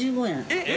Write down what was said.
えっ！